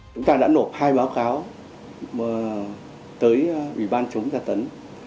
chúng ta đã nộp hai báo cáo tới ủy ban chống tra tấn